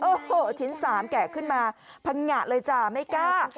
โอ้โหชิ้น๓แกะขึ้นมาพังงะเลยจ้ะไม่กล้า